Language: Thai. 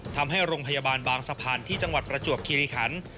ทำให้โรงพยาบาลบางสะพานที่จังหวัดประจวบคิริคัน